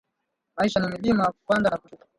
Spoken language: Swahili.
Maisha ni mlima kupanda na kushuka